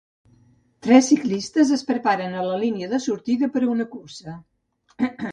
Tres ciclistes es preparen a la línia de sortida per a una cursa.